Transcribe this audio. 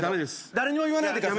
誰にも言わないでください。